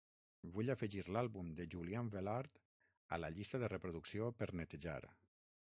Vull afegir l'àlbum de Julian Velard a la llista de reproducció per netejar.